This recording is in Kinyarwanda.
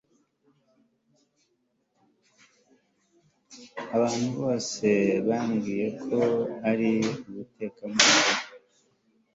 abantu bose bambwiye ko ari ubutekamutwe